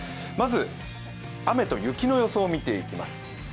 まず雨と雪の予想を見ていきます。